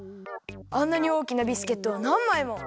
あんなにおおきなビスケットをなんまいも。